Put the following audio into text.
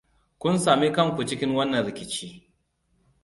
Kun sami kanku cikin wannan rikici.